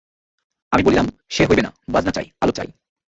আমি বলিলাম, সে হইবে না, বাজনা চাই, আলো চাই।